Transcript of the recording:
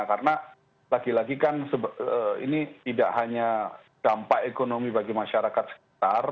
karena lagi lagi kan ini tidak hanya dampak ekonomi bagi masyarakat sekitar